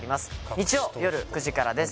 日曜夜９時からです